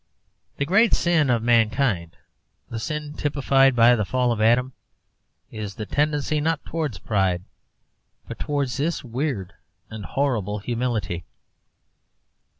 The great sin of mankind, the sin typified by the fall of Adam, is the tendency, not towards pride, but towards this weird and horrible humility.